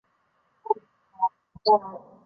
丰博扎尔。